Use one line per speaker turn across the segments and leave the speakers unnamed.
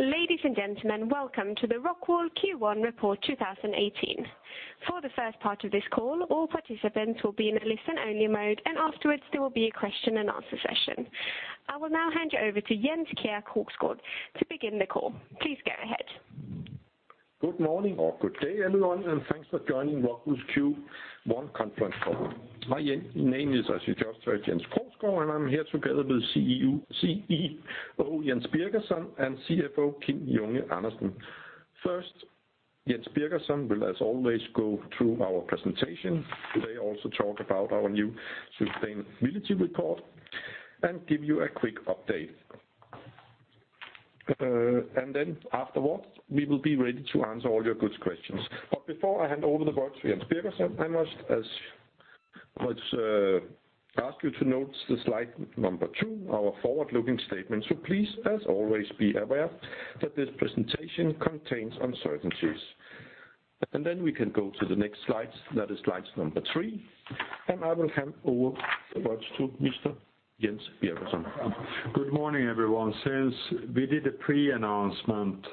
Ladies and gentlemen, welcome to the Rockwool Q1 Report 2018. For the first part of this call, all participants will be in a listen-only mode. Afterwards, there will be a question-and-answer session. I will now hand you over to Jens Kjær Kaarsgaard to begin the call. Please go ahead.
Good morning or good day, everyone, and thanks for joining Rockwool's Q1 conference call. My name is, as you just heard, Jens Kjær Kaarsgaard, and I'm here together with CEO Jens Birgersson and CFO Kim Junge Andersen. First, Jens Birgersson will, as always, go through our presentation today, also talk about our new sustainability report, and give you a quick update. Afterwards, we will be ready to answer all your good questions. Before I hand over the virtual to Jens Birgersson, I must ask you to note slide number two, our forward-looking statement. Please, as always, be aware that this presentation contains uncertainties. Then we can go to the next slide, that is slide number three, and I will hand over the virtual device to Mr. Jens Birgersson.
Good morning, everyone. Since we did a pre-announcement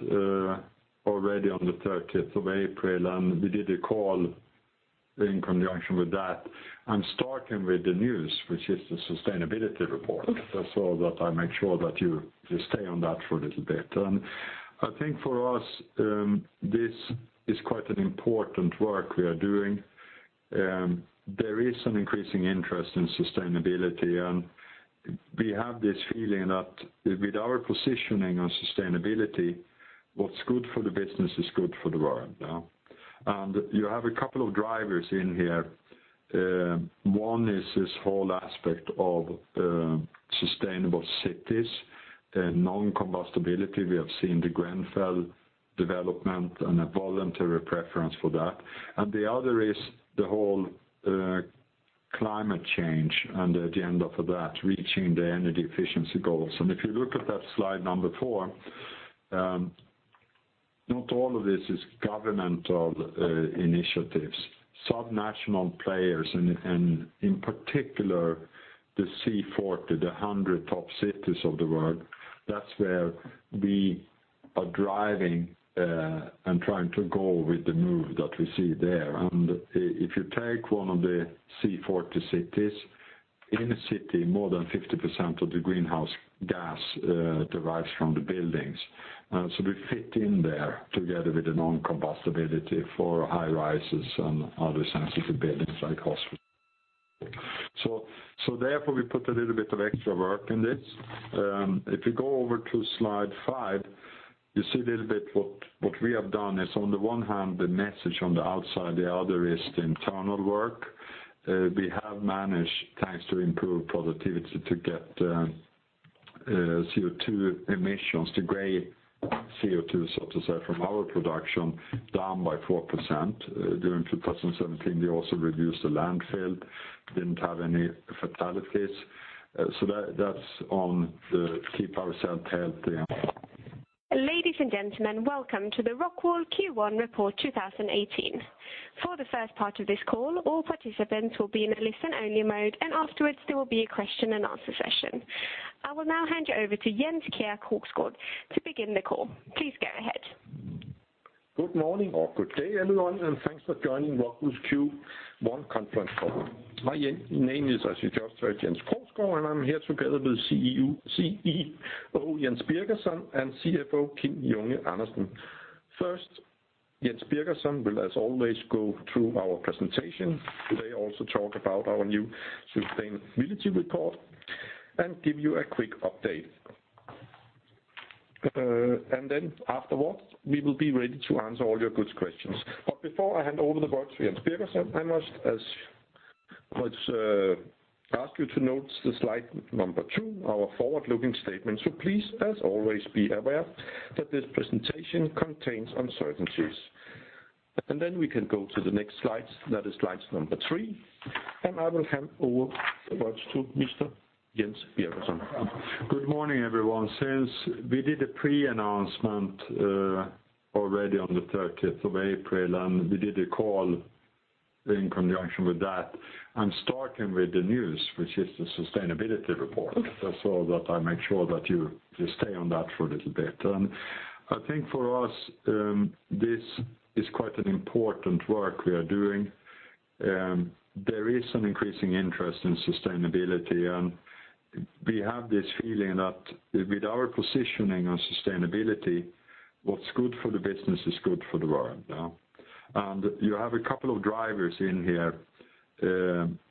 already on the 30th of April, and we did a call in conjunction with that, I'm starting with the news, which is the sustainability report, just so that I make sure that you stay on that for a little bit. I think for us, this is quite an important work we are doing. There is an increasing interest in sustainability, and we have this feeling that with our positioning on sustainability, what's good for the business is good for the world. You have a couple of drivers in here.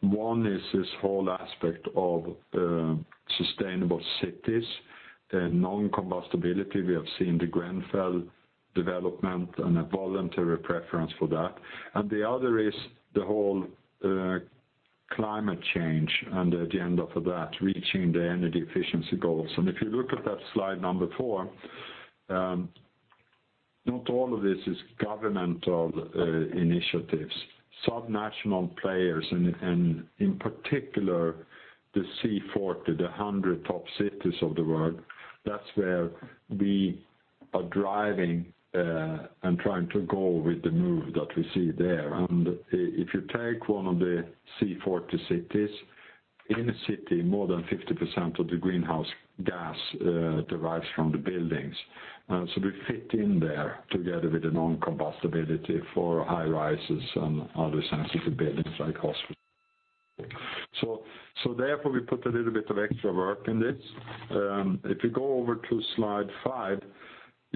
One is this whole aspect of sustainable cities, non-combustibility. We have seen the Grenfell development and a voluntary preference for that. The other is the whole climate change and at the end of that, reaching the energy efficiency goals. If you look at that slide 4, not all of this is governmental initiatives. Sub-national players, and in particular the C40, the 100 top cities of the world, that's where we are driving and trying to go with the move that we see there. If you take one of the C40 cities. In a city, more than 50% of the greenhouse gas derives from the buildings. We fit in there together with the non-combustibility for high-rises and other sensitive buildings like hospitals. Therefore, we put a little bit of extra work in this. If you go over to slide 5,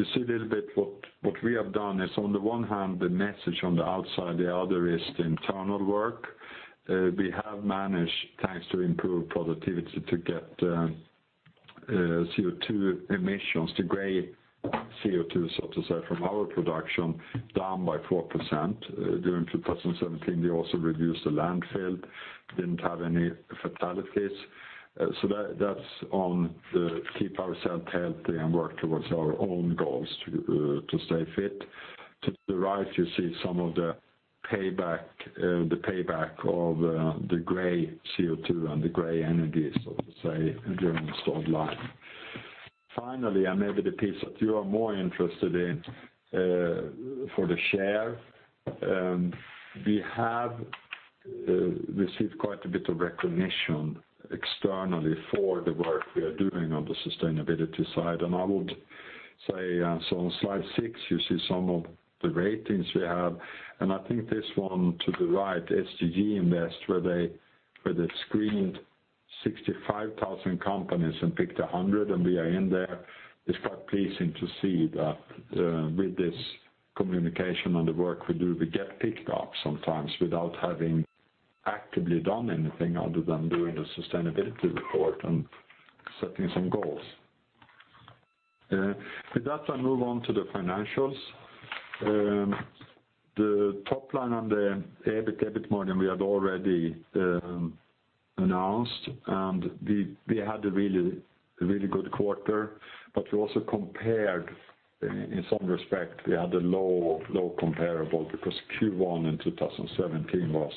you see a little bit what we have done is on the one hand, the message on the outside, the other is the internal work. We have managed, thanks to improved productivity, to get CO2 emissions, the gray CO2, so to say, from our production, down by 4% during 2017. We also reduced the landfill, didn't have any fatalities. That's on the keep ourselves healthy and work towards our own goals to stay fit. To the right, you see some of the payback of the gray CO2 and the gray energy, so to say, during this timeline. Finally, and maybe the piece that you are more interested in for the share, we have received quite a bit of recognition externally for the work we are doing on the sustainability side, and I would say, on slide six, you see some of the ratings we have, and I think this one to the right, ESG Invest, where they screened 65,000 companies and picked 100, and we are in there. It's quite pleasing to see that with this communication and the work we do, we get picked up sometimes without having actively done anything other than doing the sustainability report and setting some goals. With that, I'll move on to the financials. The top line on the EBIT margin, we had already announced, and we had a really good quarter, but we also compared, in some respect, we had a low comparable because Q1 in 2017 was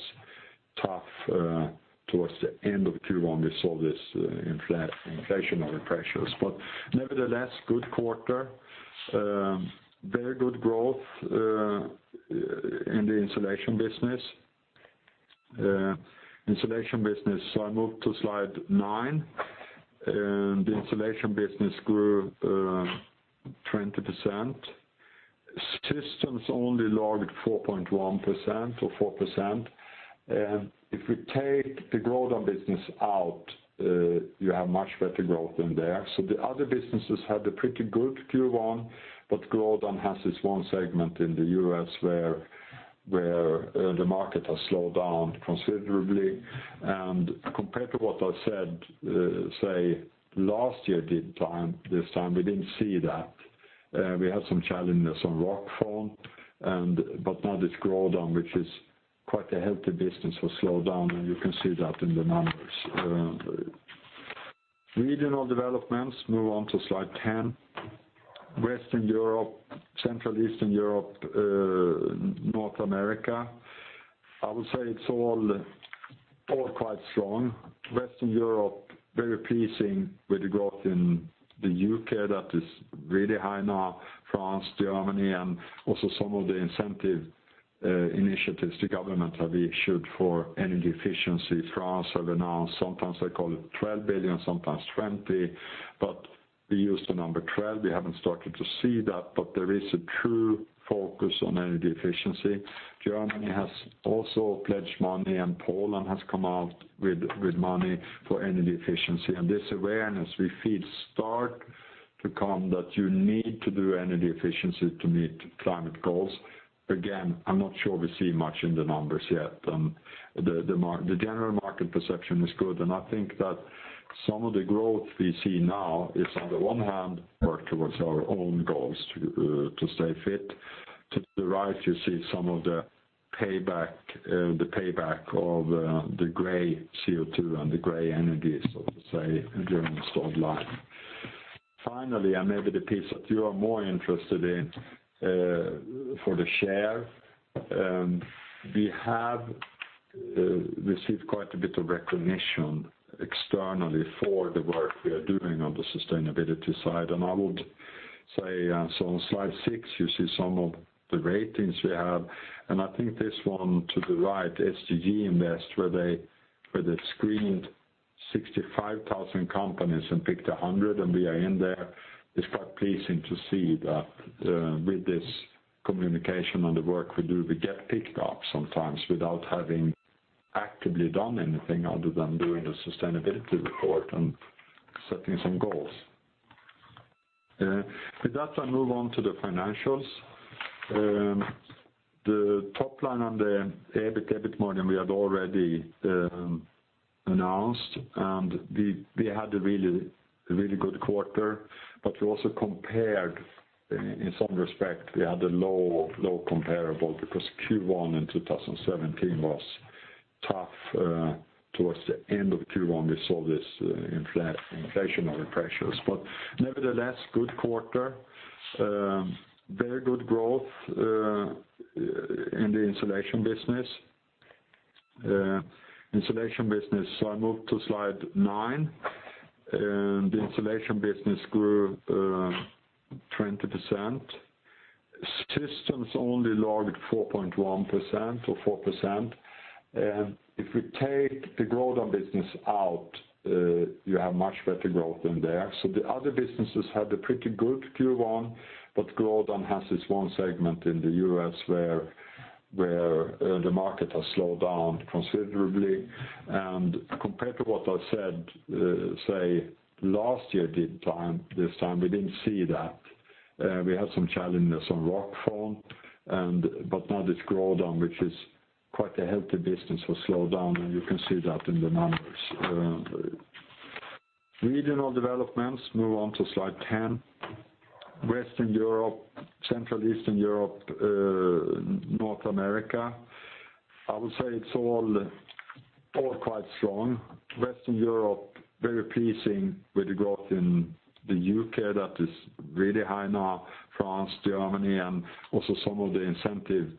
tough. Towards the end of Q1, we saw these inflationary pressures, but nevertheless, good quarter. Very good growth in the insulation business. Insulation business, I move to slide nine. The insulation business grew 20%. Systems only logged 4.1% or 4%. If we take the Grodan business out, you have much better growth in there. The other businesses had a pretty good Q1, but Grodan has this one segment in the U.S. where the market has slowed down considerably. Compared to what I said, say, last year this time, we didn't see that. We had some challenges on Rockwool, but now this Grodan, which is quite a healthy business, will slow down, and you can see that in the numbers. Regional developments, move on to slide 10. Western Europe, Central Eastern Europe, North America, I would say it's all quite strong. Western Europe, very pleasing with the growth in the U.K. that is really high now, France, Germany, and also some of the incentive initiatives the government have issued for energy efficiency. France have announced, sometimes they call it 12 billion, sometimes 20 billion, but we use the number 12. We haven't started to see that, but there is a true focus on energy efficiency. Germany has also pledged money, and Poland has come out with money for energy efficiency. This awareness we feel start to come that you need to do energy efficiency to meet climate goals. Again, I'm not sure we see much in the numbers yet. The general market perception is good. I think that some of the growth we see now is on the one hand work towards our own goals to stay fit. To the right, you see some of the payback of the gray CO2 and the gray energy, so to say, during this timeline. Finally, maybe the piece that you are more interested in for the share, we have received quite a bit of recognition externally for the work we are doing on the sustainability side. I would say, so on slide six, you see some of the ratings we have. I think this one to the right, SGG Invest, where they screened 65,000 companies and picked 100, and we are in there. It's quite pleasing to see that with this communication and the work we do, we get picked up sometimes without having actively done anything other than doing the sustainability report and setting some goals. With that, I'll move on to the financials. The top line on the EBIT margin, we had already announced. We had a really good quarter, but we also compared, in some respect, we had a low comparable because Q1 in 2017 was tough. Towards the end of Q1, we saw these inflationary pressures. Nevertheless, good quarter. Very good growth in the insulation business. Insulation business. I move to slide nine. The insulation business grew 20%. Systems only logged 4.1% or 4%. If we take the Grodan business out, you have much better growth in there. The other businesses had a pretty good Q1, but Grodan has this one segment in the U.S. where the market has slowed down considerably. Compared to what I said, say, last year at this time, we didn't see that. We had some challenges on Rockwool, but now this Grodan, which is quite a healthy business, will slow down. You can see that in the numbers. Regional developments, move on to slide 10. Western Europe, Central Eastern Europe, North America, I would say it's all quite strong. Western Europe, very pleasing with the growth in the U.K. that is really high now, France, Germany. Also some of the incentive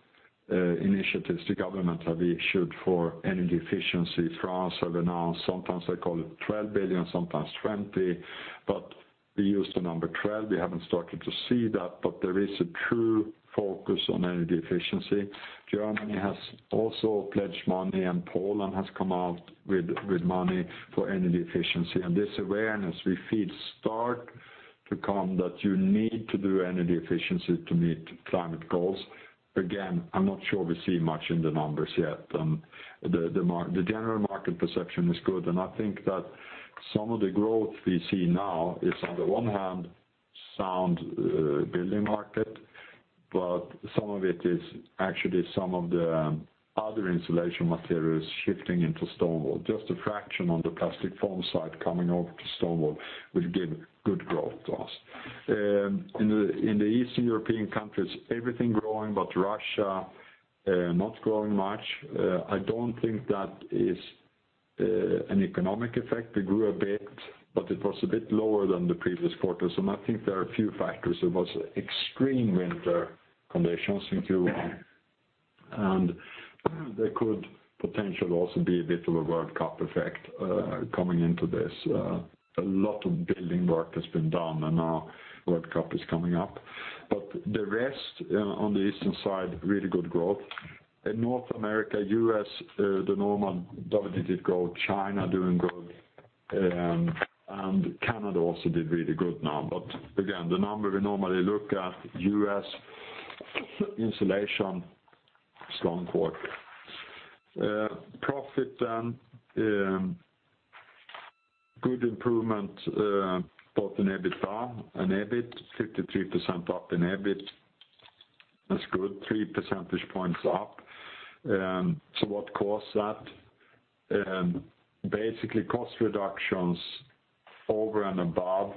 initiatives the government have issued for energy efficiency. France have announced, sometimes they call it 12 billion, sometimes 20 billion, but we use the number 12 billion. We haven't started to see that, but there is a true focus on energy efficiency. Germany has also pledged money, and Poland has come out with money for energy efficiency. This awareness we feel start to come that you need to do energy efficiency to meet climate goals. Again, I'm not sure we see much in the numbers yet. The general market perception is good. I think that some of the growth we see now is on the one hand, sound building market. Some of it is actually some of the other insulation materials shifting into stone wool. Just a fraction on the plastic foam side coming over to stone wool will give good growth to us. In the Eastern European countries, everything growing, but Russia not growing much. I don't think that is an economic effect. We grew a bit, but it was a bit lower than the previous quarter. I think there are a few factors. There was extreme winter conditions in Q1, and there could potentially also be a bit of a World Cup effect coming into this. A lot of building work has been done. Now World Cup is coming up. The rest on the eastern side, really good growth. In North America, U.S., the normal double-digit growth, China doing good. Canada also did really good now. Again, the number we normally look at, U.S. Insulation, strong quarter. Profit then, good improvement both in EBITDA and EBIT, 53% up in EBIT. That's good, three percentage points up. What caused that? Basically, cost reductions over and above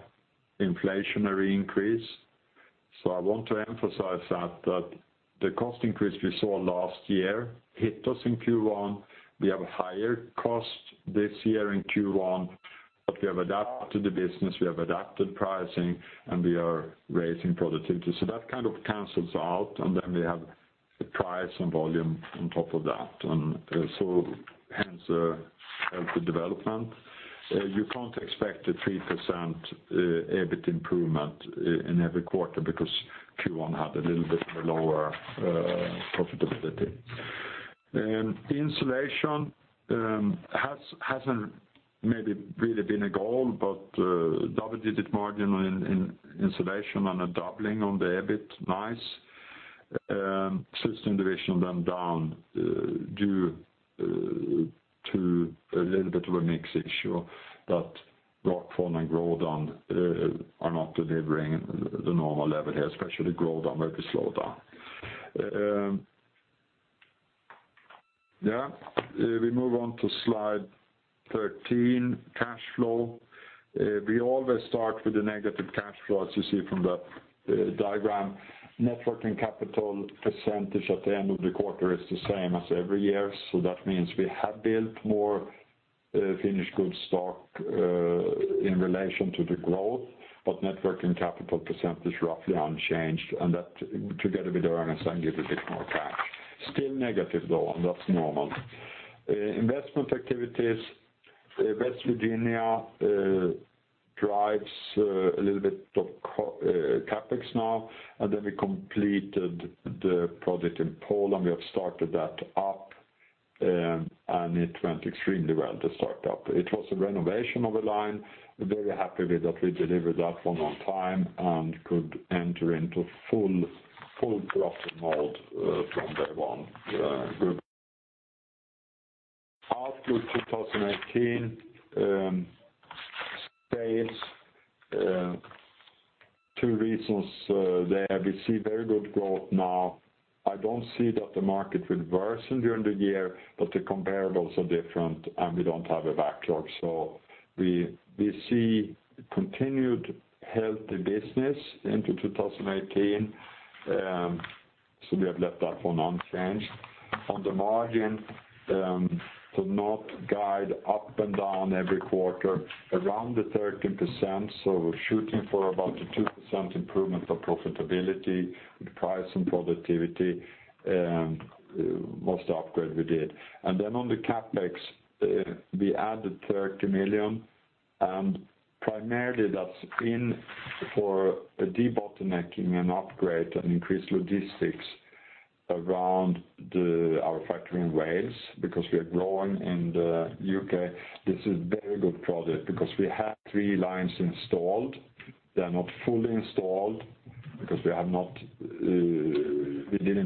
inflationary increase. I want to emphasize that the cost increase we saw last year hit us in Q1. We have higher costs this year in Q1. We have adapted the business, we have adapted pricing, and we are raising productivity. That kind of cancels out, and then we have the price and volume on top of that. Hence, healthy development. You can't expect a 3% EBIT improvement in every quarter because Q1 had a little bit of a lower profitability. Insulation hasn't maybe really been a goal, but double-digit margin in Insulation and a doubling on the EBIT, nice. System Division down due to a little bit of a mix issue that Rockwool and Grodan are not delivering the normal level here, especially Grodan very slowed down. We move on to slide 13, cash flow. We always start with the negative cash flow, as you see from the diagram. Net working capital percentage at the end of the quarter is the same as every year. That means we have built more finished goods stock in relation to the growth, but net working capital percentage roughly unchanged, and that together with earnings give a bit more cash. Still negative though, and that's normal. Investment activities, West Virginia drives a little bit of CapEx now. We completed the project in Poland. We have started that up. It went extremely well to start up. It was a renovation of a line. Very happy with that we delivered that one on time and could enter into full profit mode from day one. Outlook 2018, stays. Two reasons there. We see very good growth now. I don't see that the market will worsen during the year. The comparables are different, and we don't have a backlog. We see continued healthy business into 2018. We have left that one unchanged. On the margin, to not guide up and down every quarter, around the 13%. Shooting for about a 2% improvement of profitability with price and productivity, most upgrade we did. On the CapEx, we added 30 million. Primarily that is for a debottlenecking, an upgrade, and increased logistics around our factory in Wales, because we are growing in the U.K. This is a very good project because we have three lines installed. They are not fully installed because we did not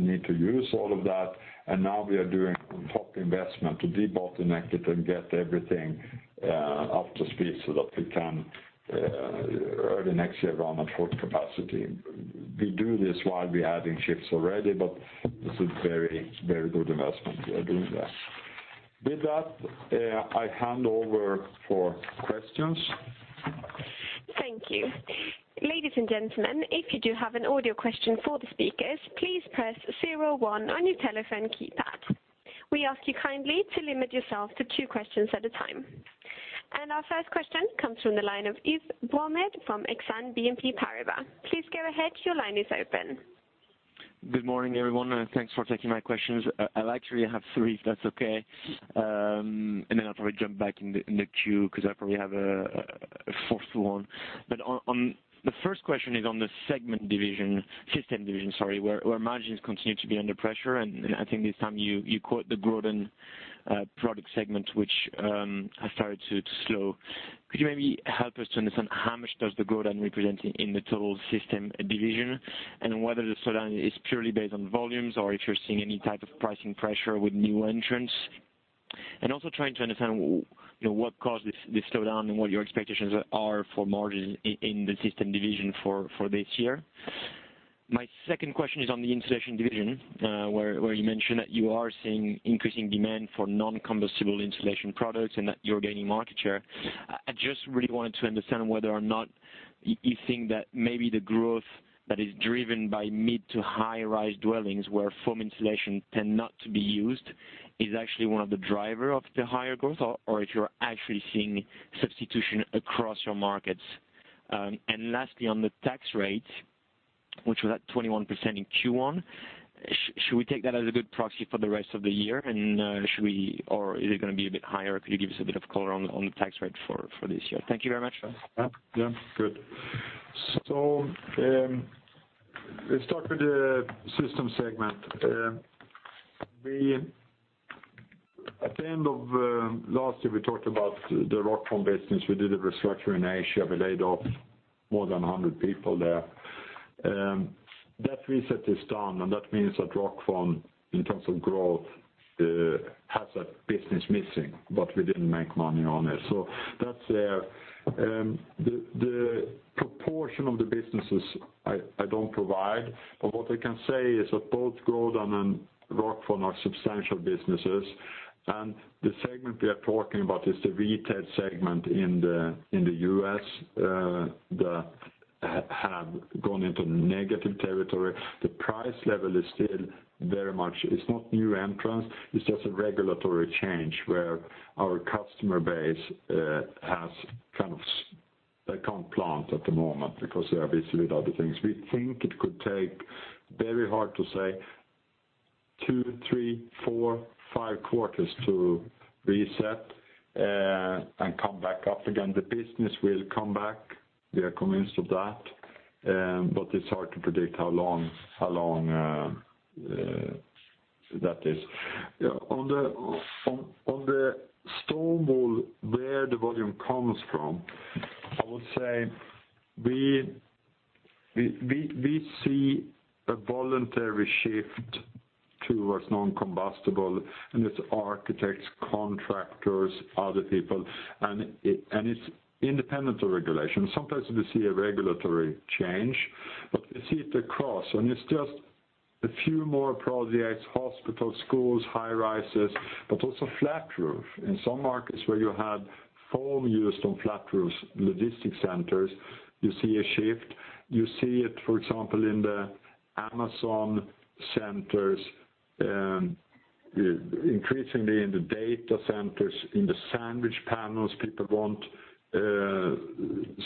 need to use all of that. Now we are doing top investment to debottleneck it and get everything up to speed so that we can, early next year, run at full capacity. We do this while we are adding shifts already, but this is a very good investment we are doing there. With that, I hand over for questions.
Thank you. Ladies and gentlemen, if you do have an audio question for the speakers, please press 01 on your telephone keypad. We ask you kindly to limit yourself to two questions at a time. Our first question comes from the line of Yves Boumediene from Exane BNP Paribas. Please go ahead, your line is open.
Good morning, everyone. Thanks for taking my questions. I will actually have three, if that is okay, then I will probably jump back in the queue because I probably have a fourth one. The first question is on the system division, where margins continue to be under pressure, and I think this time you quote the Grodan product segment, which has started to slow. Could you maybe help us to understand how much does the Grodan represent in the total system division, and whether the slowdown is purely based on volumes, or if you are seeing any type of pricing pressure with new entrants? Also trying to understand what caused this slowdown, and what your expectations are for margins in the system division for this year. My second question is on the insulation division, where you mention that you are seeing increasing demand for non-combustible insulation products and that you are gaining market share. I just really wanted to understand whether or not you think that maybe the growth that is driven by mid to high-rise dwellings, where foam insulation tend not to be used, is actually one of the drivers of the higher growth, or if you are actually seeing substitution across your markets. Lastly, on the tax rate, which was at 21% in Q1, should we take that as a good proxy for the rest of the year, or is it going to be a bit higher? Could you give us a bit of color on the tax rate for this year? Thank you very much.
Yeah. Good. Let's start with the system segment. At the end of last year, we talked about the Rockfon business. We did a restructure in Asia. We laid off more than 100 people there. That reset is done, and that means that Rockfon, in terms of growth, has that business missing, but we didn't make money on it. That's there. The proportion of the businesses, I don't provide, but what I can say is that both Grodan and Rockfon are substantial businesses, and the segment we are talking about is the retail segment in the U.S. that have gone into negative territory. The price level is still very much. It's not new entrants, it's just a regulatory change where our customer base, they can't plant at the moment because they are busy with other things. We think it could take, very hard to say, two, three, four, five quarters to reset and come back up again. The business will come back. We are convinced of that. It's hard to predict how long that is. On the stone wool, where the volume comes from, I would say we see a voluntary shift towards non-combustible, and it's architects, contractors, other people, and it's independent of regulation. Sometimes we see a regulatory change, but we see it across, and it's just a few more projects, hospitals, schools, high-rises, but also flat roof. In some markets where you had foam used on flat roofs, logistic centers, you see a shift. You see it, for example, in the Amazon centers, increasingly in the data centers. In the sandwich panels, people want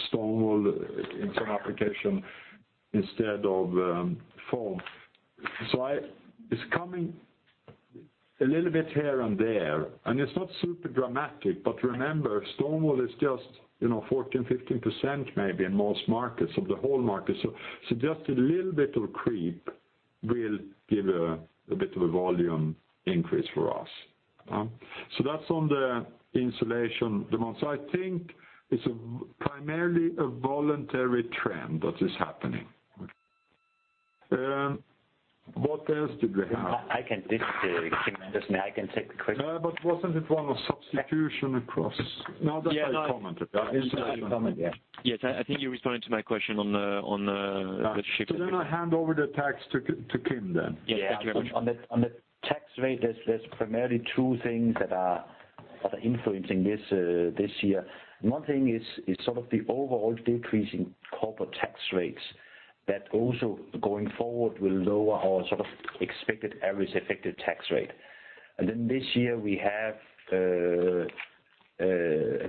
stone wool in some application instead of foam. It's coming a little bit here and there, and it's not super dramatic, but remember, stone wool is just 14%, 15% maybe in most markets, of the whole market. Just a little bit of a creep will give a bit of a volume increase for us. That's on the insulation demand. I think it's primarily a voluntary trend that is happening. What else did we have?
I can. This is Kim. I can take the question.
Wasn't it one on substitution across? No, that I commented on.
You commented, yeah.
Yes. I think you responded to my question on the shift.
I hand over the task to Kim then.
Yeah.
Thank you very much.
On the tax rate, there's primarily two things that are influencing this this year. One thing is sort of the overall decrease in corporate tax rates that also, going forward, will lower our sort of expected average effective tax rate. Then this year, we have a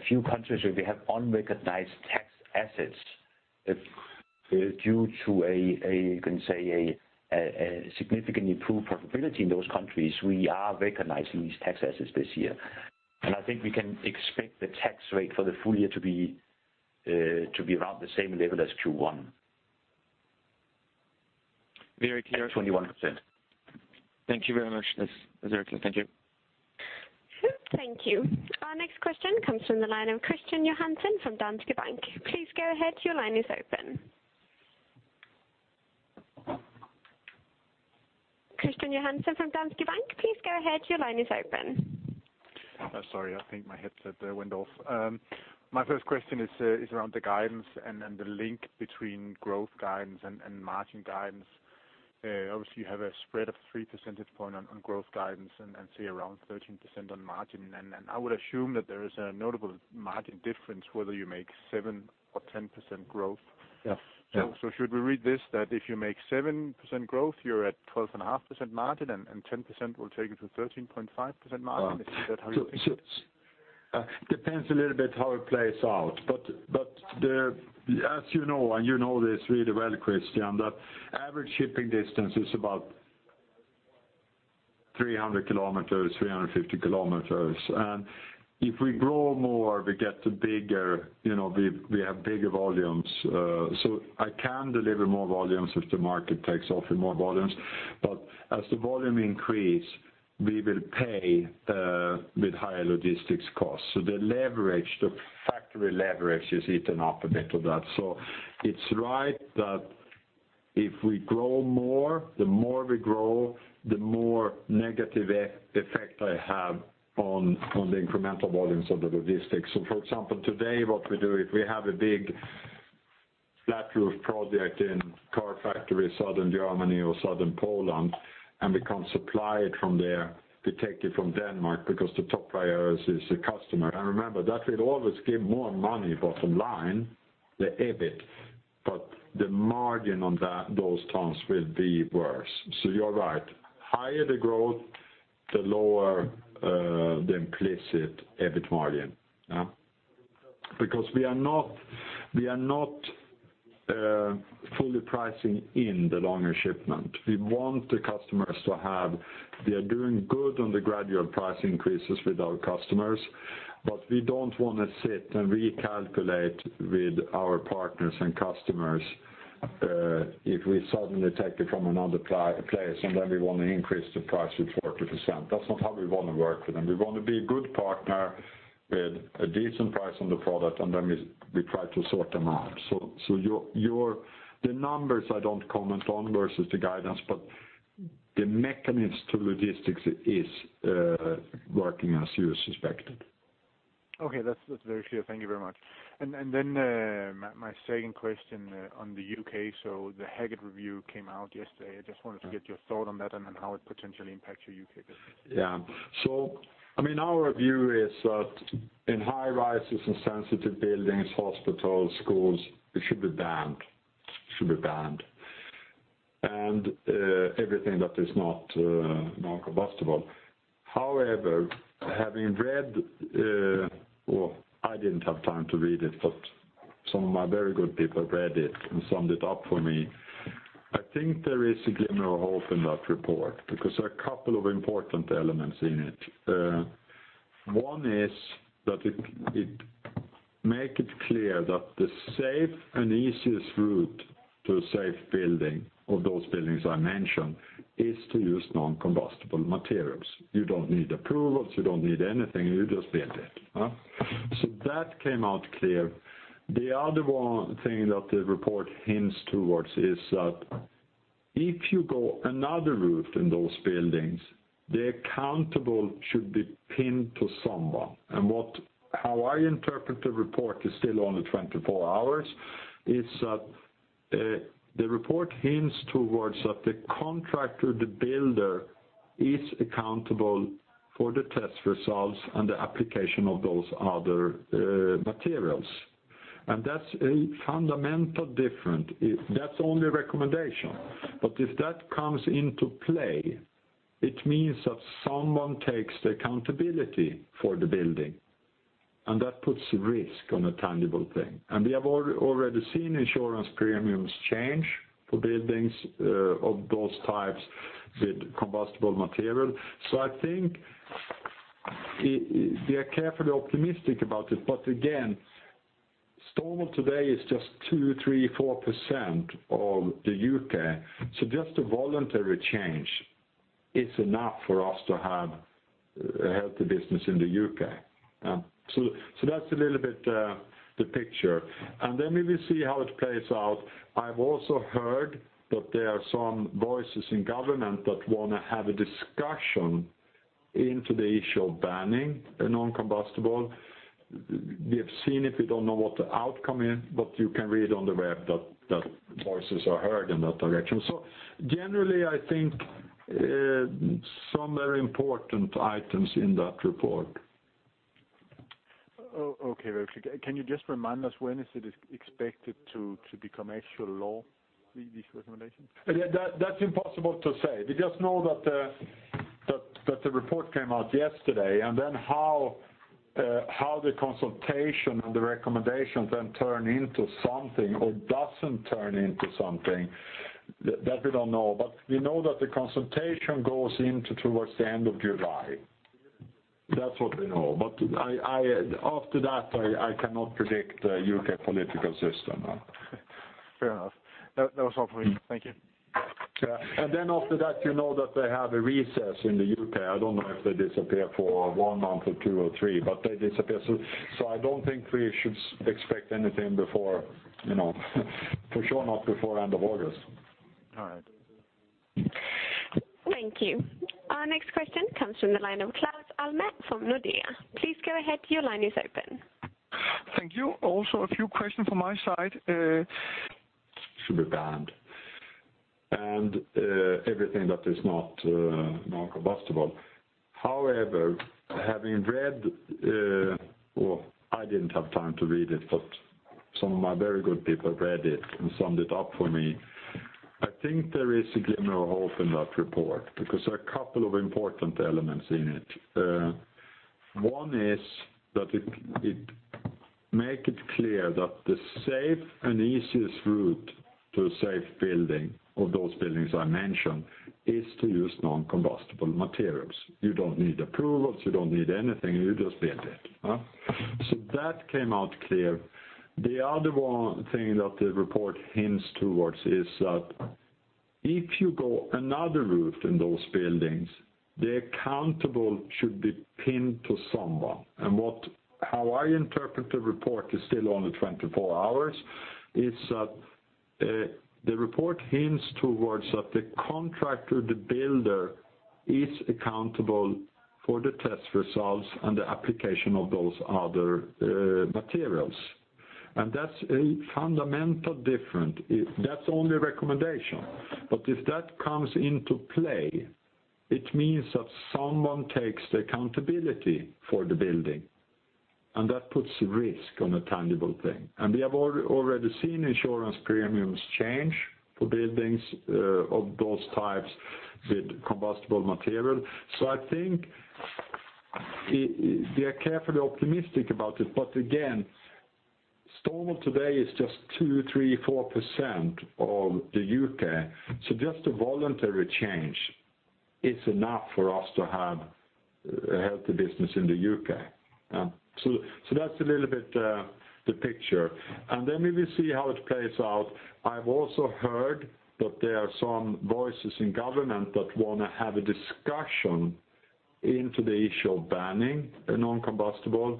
few countries where we have unrecognized tax assets that Due to a, you can say, a significantly improved profitability in those countries, we are recognizing these tax assets this year. I think we can expect the tax rate for the full year to be around the same level as Q1.
Very clear.
21%.
Thank you very much. That's very clear. Thank you.
Thank you. Our next question comes from the line of Kristian Johansen from Danske Bank. Please go ahead, your line is open. Kristian Johansen from Danske Bank, please go ahead, your line is open.
Sorry, I think my headset went off. My first question is around the guidance and the link between growth guidance and margin guidance. Obviously, you have a spread of three percentage point on growth guidance and, say, around 13% on margin. I would assume that there is a notable margin difference whether you make 7% or 10% growth.
Yes.
Should we read this, that if you make 7% growth, you're at 12.5% margin and 10% will take you to 13.5% margin? Is that how you read this?
Depends a little bit how it plays out. As you know, and you know this really well, Kristian, that average shipping distance is about 300 km, 350 km. If we grow more, we have bigger volumes. I can deliver more volumes if the market takes off in more volumes. As the volume increase, we will pay with higher logistics costs. The factory leverage is eaten up a bit of that. It's right that if we grow more, the more we grow, the more negative effect I have on the incremental volumes of the logistics. For example, today what we do, if we have a big flat roof project in car factory, Southern Germany or Southern Poland, and we can't supply it from there, we take it from Denmark because the top priority is the customer. Remember, that will always give more money bottom line, the EBIT, but the margin on those tons will be worse. You're right, higher the growth, the lower the implicit EBIT margin. We are not fully pricing in the longer shipment. We are doing good on the gradual price increases with our customers, but we don't want to sit and recalculate with our partners and customers, if we suddenly take it from another place, then we want to increase the price with 40%. That's not how we want to work with them. We want to be a good partner with a decent price on the product, then we try to sort them out. The numbers I don't comment on versus the guidance, but the mechanism to logistics is working as you suspected.
Okay. That's very clear. Thank you very much. My second question on the U.K. The Hackitt Review came out yesterday. I just wanted to get your thought on that then how it potentially impacts your U.K. business.
Yeah. Our view is that in high-rises and sensitive buildings, hospitals, schools, it should be banned. Everything that is not non-combustible. However, well, I didn't have time to read it, but some of my very good people read it and summed it up for me. I think there is a glimmer of hope in that report because there are a couple of important elements in it. One is that it make it clear that the safe and easiest route to a safe building of those buildings I mentioned is to use non-combustible materials. You don't need approvals, you don't need anything, you just build it. That came out clear. The other thing that the report hints towards is that if you go another route in those buildings, the accountable should be pinned to someone. How I interpret the report, it's still only 24 hours, is that the report hints towards that the contractor, the builder, is accountable for the test results and the application of those other materials. That's a fundamental difference. That's only a recommendation. If that comes into play, it means that someone takes the accountability for the building, and that puts risk on a tangible thing. We have already seen insurance premiums change for buildings of those types with combustible material. I think we are carefully optimistic about it. Again, stone wool today is just 2%, 3%, 4% of the U.K. Just a voluntary change is enough for us to have a healthy business in the U.K. That's a little bit the picture. Then we will see how it plays out. I've also heard that there are some voices in government that want to have a discussion into the issue of banning non-combustible. We have seen it, we don't know what the outcome is, but you can read on the web that voices are heard in that direction. Generally, I think some very important items in that report.
Okay. Very clear. Can you just remind us when is it expected to become actual law? These recommendations?
That's impossible to say. We just know that the report came out yesterday. How the consultation and the recommendations then turn into something or doesn't turn into something, that we don't know. We know that the consultation goes into towards the end of July. That's what we know. After that, I cannot predict the U.K. political system.
Fair enough. That was all for me. Thank you.
Yeah. Then after that, you know that they have a recess in the U.K. I don't know if they disappear for one month or two or three, but they disappear. I don't think we should expect anything, for sure not before end of August.
All right.
Thank you. Our next question comes from the line of Claus Almer from Nordea. Please go ahead, your line is open.
Thank you. Also a few questions from my side.
Should be banned everything that is not non-combustible. However, having read Well, I didn't have time to read it, but some of my very good people read it and summed it up for me. I think there is a glimmer of hope in that report because there are a couple of important elements in it. One is that it make it clear that the safe and easiest route to a safe building of those buildings I mentioned is to use non-combustible materials. You don't need approvals, you don't need anything, you just build it. That came out clear. The other thing that the report hints towards is that if you go another route in those buildings, the accountable should be pinned to someone. How I interpret the report is still only 24 hours, is that the report hints towards that the contractor, the builder, is accountable for the test results and the application of those other materials. That's a fundamental different, that's only a recommendation. If that comes into play, it means that someone takes the accountability for the building, and that puts risk on a tangible thing. We have already seen insurance premiums change for buildings of those types with combustible material. I think we are carefully optimistic about it. Again, stone wool today is just 2%, 3%, 4% of the U.K. Just a voluntary change is enough for us to have a healthy business in the U.K. That's a little bit the picture, and then we will see how it plays out. I've also heard that there are some voices in government that want to have a discussion into the issue of banning non-combustible.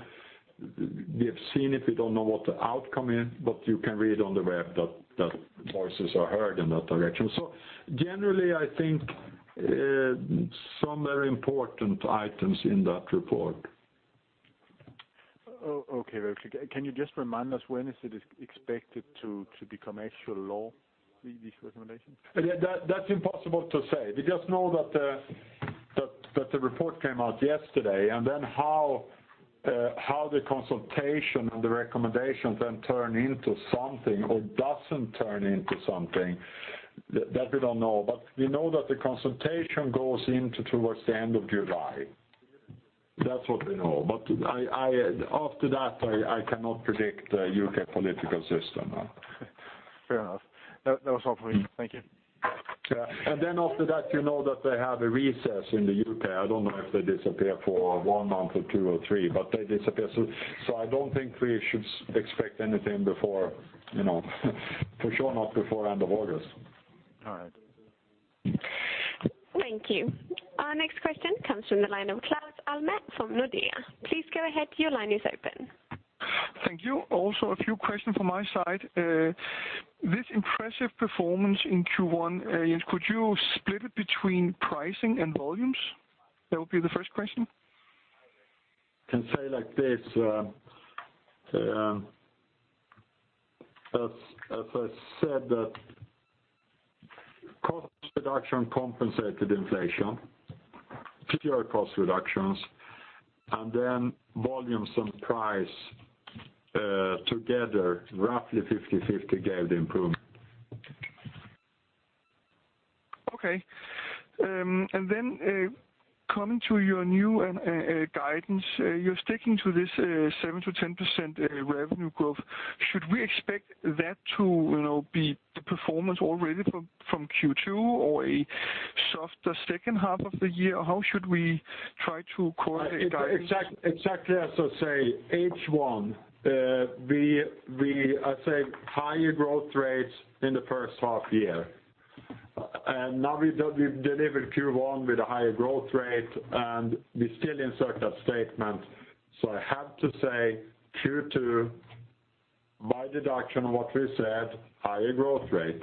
We have seen it, we don't know what the outcome is, but you can read on the web that voices are heard in that direction. Generally, I think some very important items in that report.
Okay. Can you just remind us when is it expected to become actual law, these recommendations?
That's impossible to say. We just know that the report came out yesterday. How the consultation and the recommendations then turn into something or doesn't turn into something, that we don't know. We know that the consultation goes into towards the end of July. That's what we know. After that, I cannot predict the U.K. political system.
Fair enough. That was all for me. Thank you.
Yeah. After that, you know that they have a recess in the U.K. I don't know if they disappear for one month or two or three, but they disappear. I don't think we should expect anything, for sure not before end of August.
All right.
Thank you. Our next question comes from the line of Claus Almer from Nordea. Please go ahead, your line is open.
Thank you. Also a few questions from my side. This impressive performance in Q1, Jens, could you split it between pricing and volumes? That would be the first question.
Can say like this. As I said that cost reduction compensated inflation, pure cost reductions, and then volumes and price, together roughly 50/50 gave the improvement.
Okay. Coming to your new guidance, you're sticking to this 7%-10% revenue growth. Should we expect that to be the performance already from Q2 or a softer second half of the year? How should we try to correlate guidance?
Exactly as I say, H1, I say higher growth rates in the first half year. Now we've delivered Q1 with a higher growth rate, and we still insert that statement. I have to say Q2, by deduction of what we said, higher growth rate.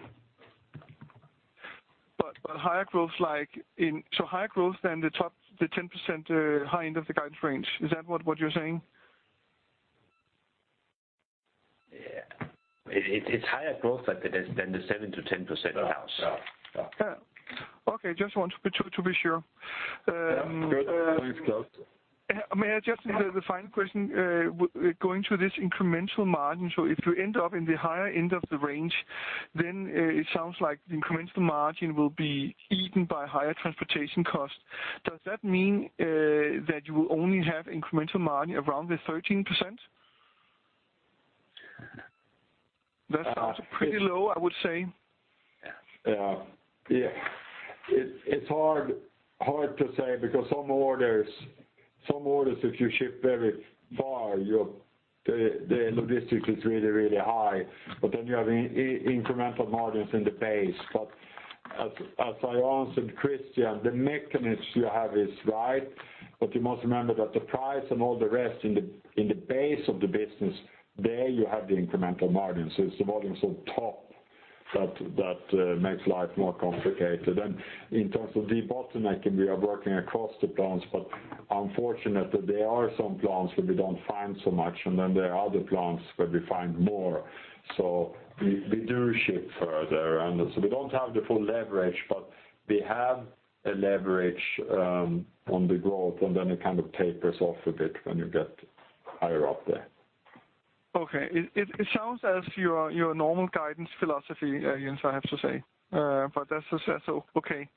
Higher growth than the 10% high end of the guidance range. Is that what you're saying?
It's higher growth than the 7%-10% range.
Okay. Just want to be sure.
Yeah. Good. Thanks, Claus.
May I just insert the final question? Going to this incremental margin, if you end up in the higher end of the range It sounds like the incremental margin will be eaten by higher transportation costs. Does that mean that you will only have incremental margin around the 13%? That sounds pretty low, I would say.
Yeah. It's hard to say because some orders, if you ship very far, the logistics is really, really high. You have incremental margins in the base. As I answered Kristian, the mechanism you have is right, but you must remember that the price and all the rest in the base of the business, there you have the incremental margin. It's the volumes on top that makes life more complicated. In terms of debottlenecking, we are working across the plants, but unfortunately there are some plants where we don't find so much, and then there are other plants where we find more. We do ship further, we don't have the full leverage, but we have a leverage on the growth, and then it kind of tapers off a bit when you get higher up there.
Okay. It sounds as your normal guidance philosophy, Jens, I have to say. That's okay.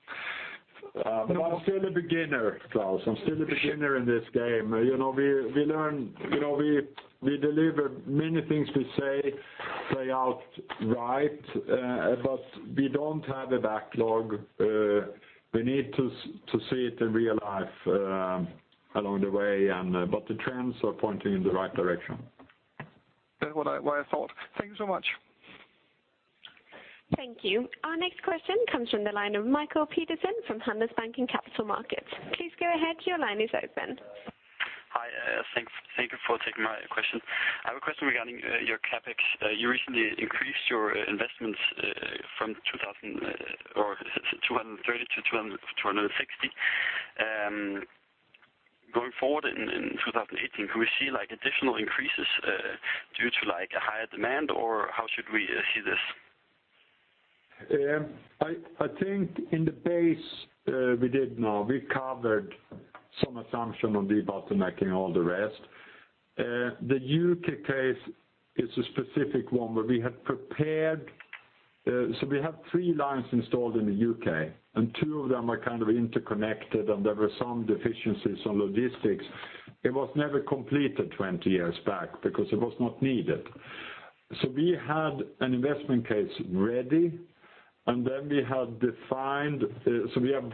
I'm still a beginner, Claus, I'm still a beginner in this game. We deliver, many things we say play out right, but we don't have a backlog. We need to see it in real life along the way, but the trends are pointing in the right direction.
That's what I thought. Thank you so much.
Thank you. Our next question comes from the line of Mikael Petersen from Handelsbanken Capital Markets. Please go ahead. Your line is open.
Hi. Thank you for taking my question. I have a question regarding your CapEx. You recently increased your investments from 230 to 260. Going forward in 2018, could we see additional increases due to a higher demand, or how should we see this?
I think in the base we did now, we covered some assumption on debottlenecking all the rest. The U.K. case is a specific one where we had prepared. We have three lines installed in the U.K., and two of them are kind of interconnected, and there were some deficiencies on logistics. It was never completed 20 years back because it was not needed. We had an investment case ready, and then we had defined. We have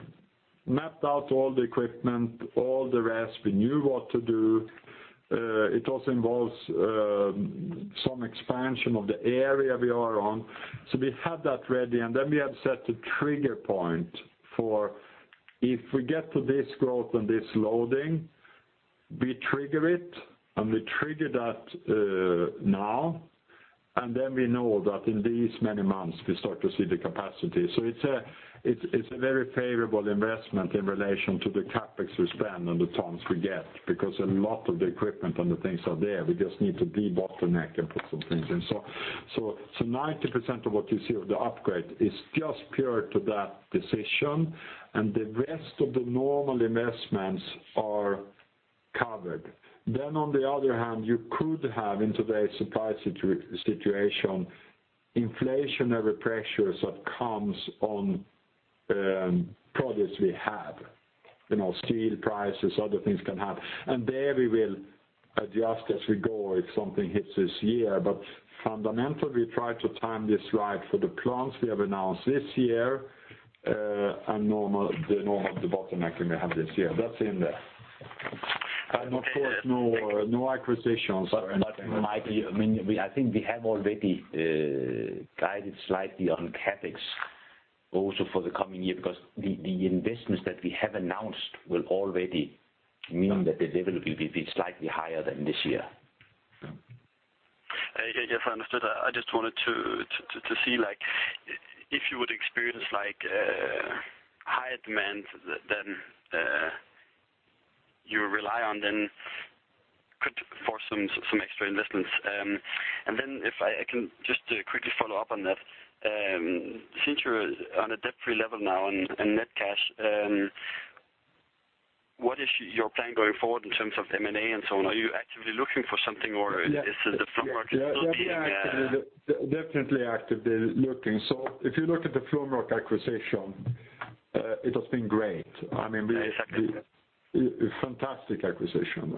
mapped out all the equipment, all the rest, we knew what to do. It also involves some expansion of the area we are on. We had that ready, and then we had set a trigger point for if we get to this growth and this loading, we trigger it, and we trigger that now. Then we know that in these many months, we start to see the capacity. It's a very favorable investment in relation to the CapEx we spend and the tons we get, because a lot of the equipment and the things are there, we just need to debottleneck and put some things in. 90% of what you see of the upgrade is just pure to that decision, and the rest of the normal investments are covered. On the other hand, you could have, in today's supply situation, inflationary pressures that comes on products we have. Steel prices, other things can happen. There we will adjust as we go if something hits this year. Fundamentally, we try to time this right for the plants we have announced this year, and the normal debottlenecking we have this year. That's in there. Of course, no acquisitions or anything.
Mike, I think we have already guided slightly on CapEx also for the coming year because the investments that we have announced will already mean that the level will be slightly higher than this year.
Yes, understood. I just wanted to see if you would experience higher demand than you rely on, could force some extra investments. If I can just quickly follow up on that. Since you're on a debt-free level now in net cash, what is your plan going forward in terms of M&A and so on? Are you actively looking for something, or is the Flumroc still being-
Definitely actively looking. If you look at the Flumroc acquisition, it has been great.
Exactly.
A fantastic acquisition.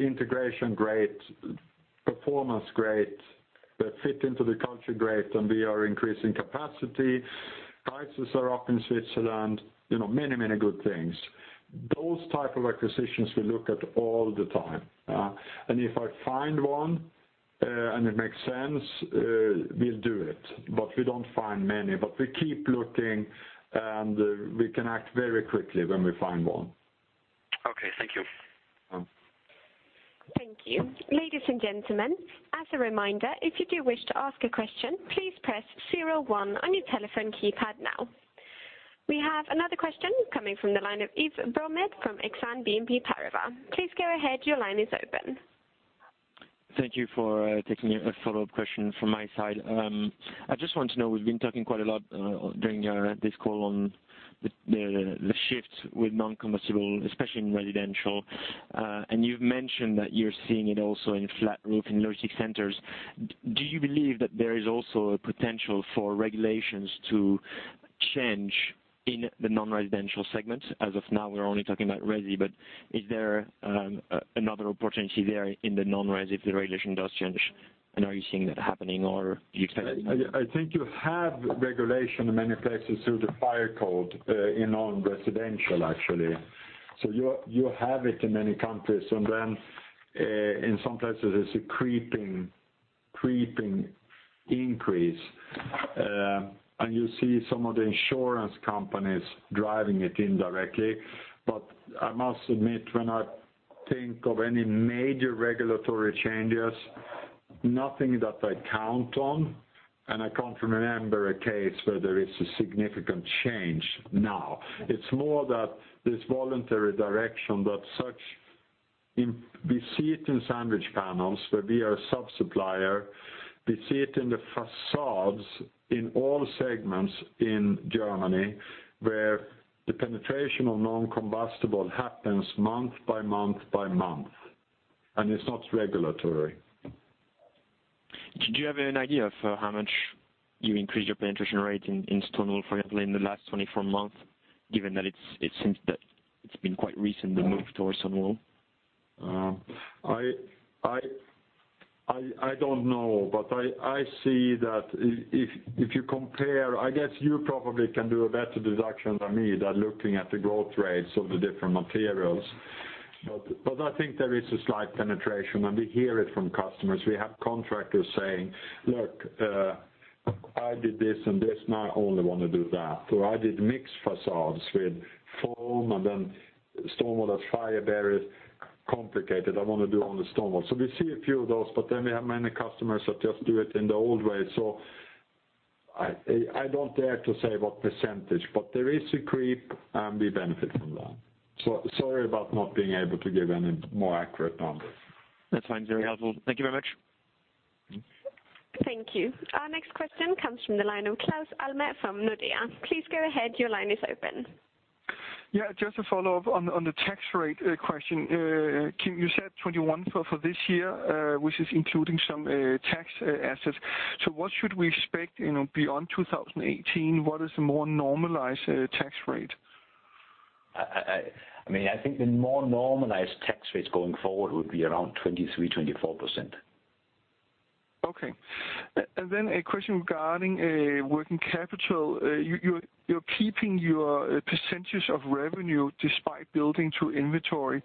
Integration great, performance great, the fit into the culture great, and we are increasing capacity. Prices are up in Switzerland. Many good things. Those type of acquisitions we look at all the time. If I find one, and it makes sense, we'll do it. We don't find many. We keep looking, and we can act very quickly when we find one.
Okay. Thank you.
Welcome.
Thank you. Ladies and gentlemen, as a reminder, if you do wish to ask a question, please press 01 on your telephone keypad now. We have another question coming from the line of Yves Bromehead from Exane BNP Paribas. Please go ahead, your line is open.
Thank you for taking a follow-up question from my side. I just want to know, we've been talking quite a lot during this call on the shift with non-combustible, especially in residential. You've mentioned that you're seeing it also in flat roof in logistic centers. Do you believe that there is also a potential for regulations to change in the non-residential segments? As of now, we're only talking about resi, but is there another opportunity there in the non-res if the regulation does change, and are you seeing that happening, or do you expect it?
I think you have regulation in many places through the fire code in non-residential, actually. You have it in many countries, and then in some places it's a creeping increase. You see some of the insurance companies driving it indirectly. I must admit, when I think of any major regulatory changes, nothing that I count on, and I can't remember a case where there is a significant change now. It's more that this voluntary direction that such, we see it in sandwich panels where we are a sub-supplier. We see it in the facades in all segments in Germany, where the penetration of non-combustible happens month by month by month. It's not regulatory.
Do you have an idea of how much you increased your penetration rate in stone wool, for example, in the last 24 months, given that it seems that it's been quite recent, the move towards stone wool?
I don't know, I see that if you compare, I guess you probably can do a better deduction than me than looking at the growth rates of the different materials. I think there is a slight penetration, and we hear it from customers. We have contractors saying, "Look, I did this and this, now I only want to do that." "I did mixed facades with foam, and then stone wool that's fire barrier. Complicated. I want to do all the stone wool." We see a few of those, we have many customers that just do it in the old way. I don't dare to say what percentage, but there is a creep, and we benefit from that. Sorry about not being able to give any more accurate numbers.
That's fine. Very helpful. Thank you very much.
Thank you. Our next question comes from the line of Claus Almer from Nordea. Please go ahead. Your line is open.
Yeah. Just a follow-up on the tax rate question. Kim, you said 21 for this year, which is including some tax assets. What should we expect beyond 2018? What is the more normalized tax rate?
I think the more normalized tax rates going forward would be around 23%, 24%.
Okay. A question regarding working capital. You're keeping your percentage of revenue despite building to inventory.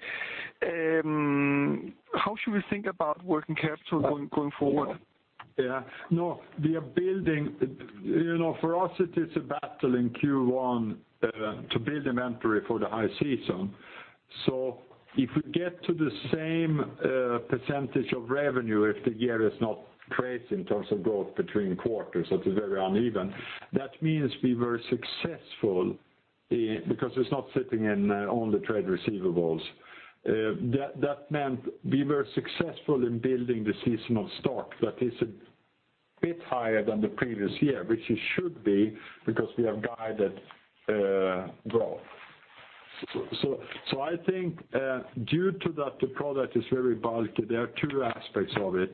How should we think about working capital going forward?
Yeah, no, we are building. For us, it is a battle in Q1 to build inventory for the high season. If we get to the same percentage of revenue, if the year is not crazy in terms of growth between quarters, if it's very uneven, that means we were successful because it's not sitting in all the trade receivables. That meant we were successful in building the seasonal stock that is a bit higher than the previous year, which it should be, because we have guided growth. I think due to that, the product is very bulky. There are two aspects of it.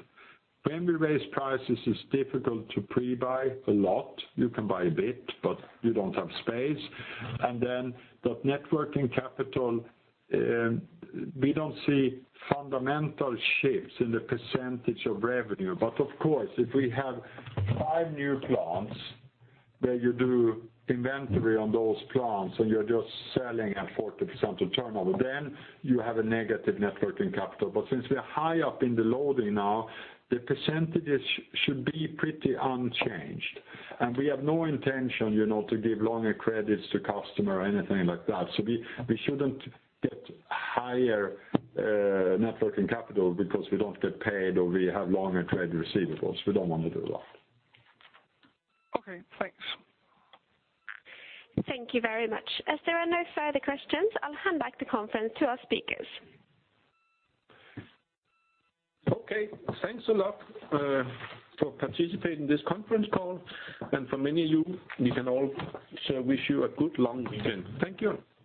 When we raise prices, it's difficult to pre-buy a lot. You can buy a bit, but you don't have space, and then that net working capital, we don't see fundamental shifts in the percentage of revenue. Of course, if we have five new plants, where you do inventory on those plants and you're just selling at 40% of turnover, then you have a negative net working capital. Since we are high up in the loading now, the percentages should be pretty unchanged. We have no intention to give longer credits to customer or anything like that. We shouldn't get higher net working capital because we don't get paid, or we have longer trade receivables. We don't want to do that.
Okay, thanks.
Thank you very much. As there are no further questions, I'll hand back the conference to our speakers.
Okay. Thanks a lot for participating in this conference call, and for many of you, we can also wish you a good long weekend. Thank you.